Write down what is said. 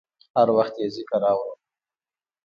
هر وخت یې ذکر اورم